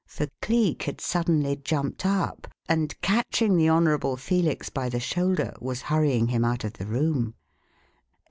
For Cleek had suddenly jumped up and, catching the Honourable Felix by the shoulder, was hurrying him out of the room.